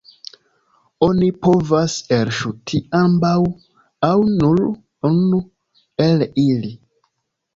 Oni povas elŝuti ambaŭ aŭ nur unu el ili.